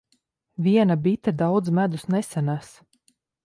Viena bite daudz medus nesanes.